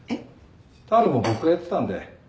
タオルも僕がやってたんで。